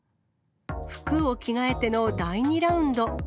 服を着替えての第２ラウンド。